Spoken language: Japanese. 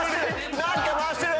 何か回してる！